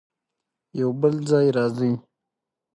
يو بل ځای راځي